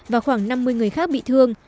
và khoảng năm mươi người khác bị thương